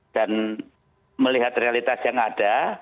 dan melihat realitas yang ada